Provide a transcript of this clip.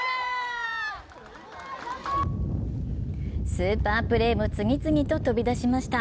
スーパープレーも次々と飛び出しました。